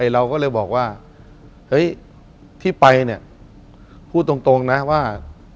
เราก็เลยบอกว่าเฮ้ยที่ไปเนี่ยพูดตรงนะว่า